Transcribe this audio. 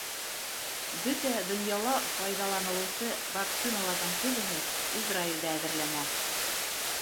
— Бөтә донъяла файҙаланылыусы вакциналарҙың күбеһе Израилдә әҙерләнә.